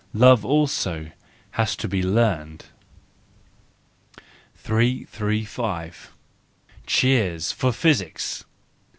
Love also has to be learned. 335 Cheers for Physics !